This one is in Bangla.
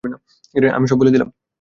আমি সব বলে দিলাম!